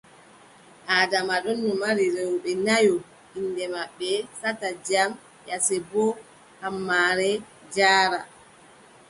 Adama ɗonno mari rewɓe nayo inɗe maɓɓe: Sata Jam, Yasebo, Hammare, Jaara.